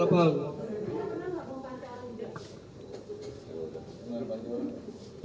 saya pernah nggak mau pantas